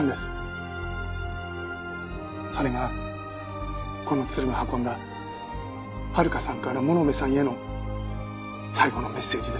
それがこの鶴が運んだ遥さんから物部さんへの最後のメッセージです。